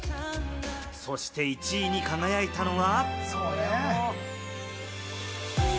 そして１位に輝いたのは。